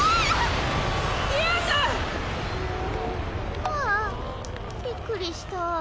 ふわぁびっくりした。